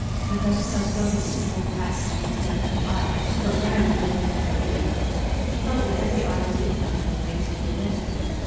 She set herself doggedly to walk back down the slope of the aisle, not daring to look ahead for Louis. She felt that every eye was fixed on her with base curiosity....